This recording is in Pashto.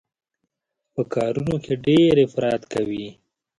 په کارونو کې يې ډېر افراط کوي.